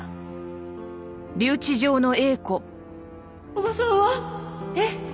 おばさんは？えっ？